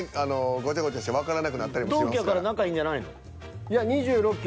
ごちゃごちゃしてわからなくなったりもしますから。